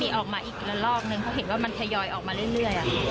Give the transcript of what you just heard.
มีออกมาอีกคละรอบเพราะเจ็ดนะออกมาเรื่อย